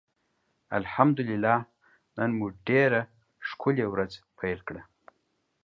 الحمدالله نن مو ډيره ښکلي ورځ پېل کړه.